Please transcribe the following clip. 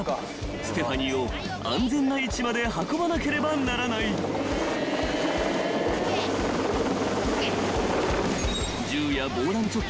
［ステファニーを安全な位置まで運ばなければならない］ＯＫ。